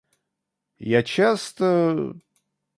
Я часто...